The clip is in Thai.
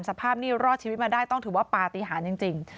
สภาพนี่รอดชีวิตมาได้ต้องถือว่าปฏิหารจริง